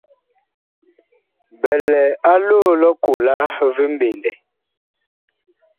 Bi lɛ a loo lʼ ɔkola vi mɓendɛ.